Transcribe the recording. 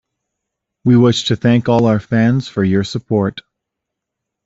We wish to thank all our fans for your support.